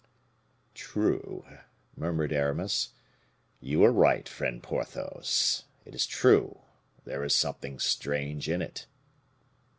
"True," murmured Aramis. "You are right, friend Porthos; it is true, there is something strange in it."